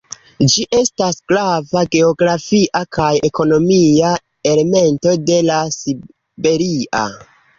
Ĝi estas grava geografia kaj ekonomia elemento de La Siberia.